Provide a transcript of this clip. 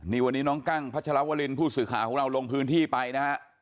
นี่วันนี้น้องกั้งพัชรวรินผู้สื่อข่าวของเราลงพื้นที่ไปนะฮะ